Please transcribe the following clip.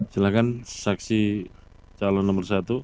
silahkan saksi calon nomor satu